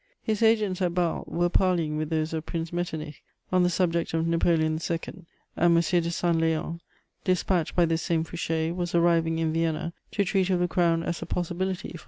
his agents at Bâle were parleying with those of Prince Metternich on the subject of Napoleon II., and M. de Saint Léon, dispatched by this same Fouché, was arriving in Vienna to treat of the crown as a "possibility" for M.